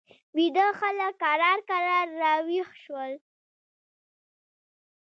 ویده خلک کرار کرار را ویښ شول.